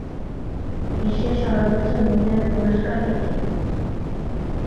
বিশ্বের সর্বোচ্চ মূল্যের পুরস্কার এটি।